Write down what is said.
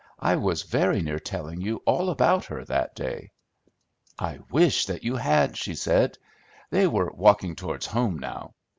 I was very near telling you all about her that day." "I wish that you had!" she said. They were walking towards home now.